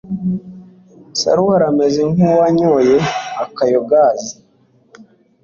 saruhara ameze nk'uwanyoye akayogazi